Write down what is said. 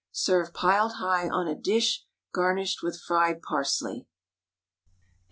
Serve piled high on a dish garnished with fried parsley. XV.